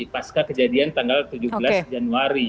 pasca kejadian tanggal tujuh belas januari